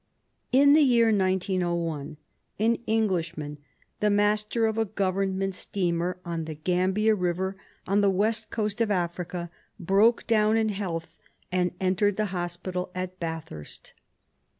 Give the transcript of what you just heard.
In the year 1901 an Englishman, the master of a Govern ment steamer on the Gambia Eiver, on the West Coast of Africa, broke down in health, and entered the hospital at Bathurst.